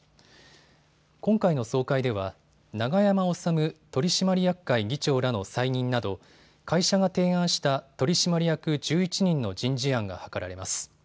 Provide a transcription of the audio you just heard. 今回の総会では永山治取締役会議長らの再任など会社が提案した取締役１１人の人事案が諮られます。